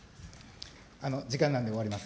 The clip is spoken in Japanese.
時間なんで終わります。